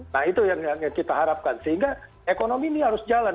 nah itu yang kita harapkan sehingga ekonomi ini harus jalan